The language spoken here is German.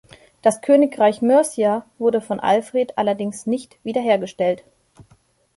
Das Königreich Mercia wurde von Alfred allerdings nicht wiederhergestellt.